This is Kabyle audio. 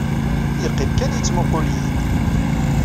Yeqqim kan yettmuqqul-iyi-d.